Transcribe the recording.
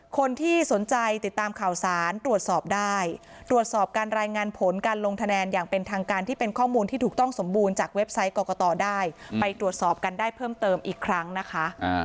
คนที่สนใจติดตามข่าวสารตรวจสอบได้ตรวจสอบการรายงานผลการลงคะแนนอย่างเป็นทางการที่เป็นข้อมูลที่ถูกต้องสมบูรณ์จากเว็บไซต์กรกตได้ไปตรวจสอบกันได้เพิ่มเติมอีกครั้งนะคะ